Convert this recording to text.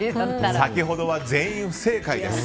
先ほどは全員不正解です。